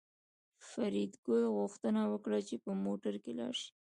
فریدګل غوښتنه وکړه چې په موټر کې لاړ شي